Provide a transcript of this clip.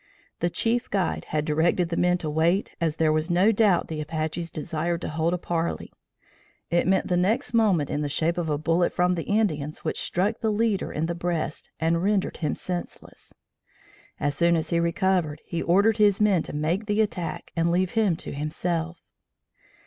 The chief guide had directed the men to wait as there was no doubt the Apaches desired to hold a parley. It meant the next moment in the shape of a bullet from the Indians which struck the leader in the breast and rendered him senseless. As soon as he recovered, he ordered his men to make the attack and leave him to himself.